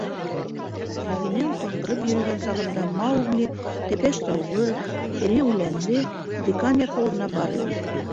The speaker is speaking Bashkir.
Үҙенең ҡаңғырып йөрөгән сағында Маугли тәпәш таулы, эре үләнле Декан яҫылығына барып етте.